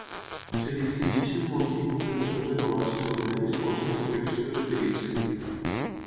Es distingeixen molts tipus de factors ecològics del medi segons la classificació que s'utilitzi.